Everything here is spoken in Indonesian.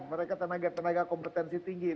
mereka tenaga kompetensi tinggi